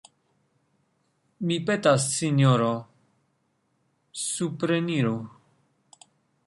Mi petas, sinjoro: supreniru!